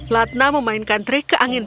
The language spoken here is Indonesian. latna memainkan trik ke angin